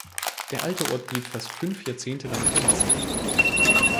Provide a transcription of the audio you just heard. Der alte Ort blieb fast fünf Jahrzehnte lang verlassen.